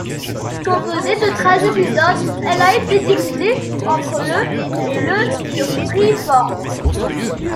Composée de treize épisodes, elle a été diffusée entre le et le sur Freeform.